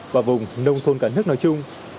và vùng nông thôn cả nước nói chung